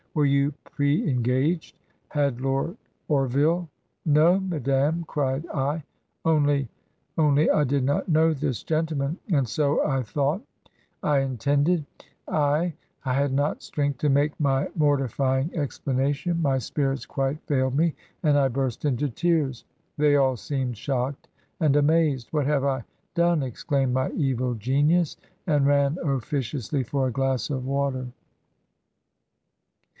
Were you pre^ engaged? Had Lord Orville —' 'No, madam/ cried I, — ^'only — only I did not know this gentleman — ^and so I thought — I intended — I —'... I had not strength to make my mortifjdng explanation; my spirits quite failed me, and I burst into tears. They all seemed shocked and amazed. ... 'What have I done?' exclaimed my evil genius, and ran officiously for a glass of water.